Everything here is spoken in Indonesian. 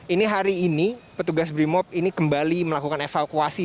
ini hari ini petugas brimop ini kembali melakukan evakuasi